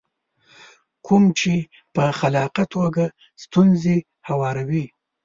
کوم چې په خلاقه توګه ستونزې هواروي.